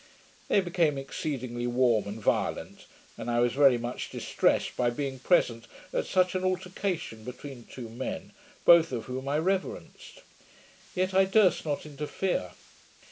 They became exceedingly warm, and violent, and I was very much distressed by being present at such an altercation between the two men, both of whom I reverenced; yet I durst not interfere.